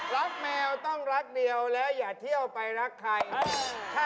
แมวต้องรักเดียวแล้วอย่าเที่ยวไปรักใคร